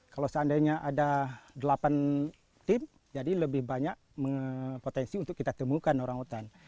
kalau seandainya ada delapan tim jadi lebih banyak potensi untuk kita temukan orang hutan